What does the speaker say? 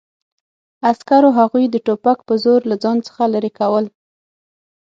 عسکرو هغوی د ټوپک په زور له ځان څخه لرې کول